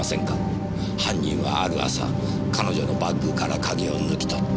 犯人はある朝彼女のバッグから鍵を抜き取った。